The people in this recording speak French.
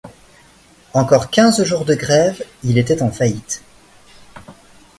Encore quinze jours de grève, il était en faillite.